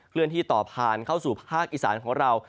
เลื่อนที่ต่อผ่านเข้าสู่ภาคอีสานของเรา